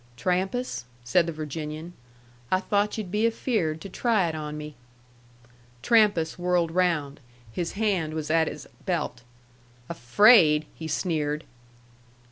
"Trampas," said the Virginian, "I thought yu'd be afeared to try it on me." Trampas whirled round. His hand was at his belt. "Afraid!" he sneered.